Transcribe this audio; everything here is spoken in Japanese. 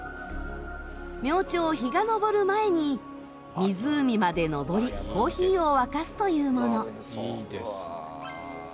明朝日が昇る前に湖まで登りコーヒーを沸かすというもの。